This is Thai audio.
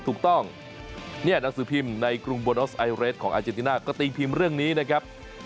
ถูกต้องเนี่ยหนังสือพิมพ์ในกรุงโบนัสไอเรสของอาเจนติน่าก็ตีพิมพ์เรื่องนี้นะครับ